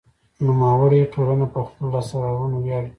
نوموړې ټولنه په خپلو لاسته راوړنو ویاړي.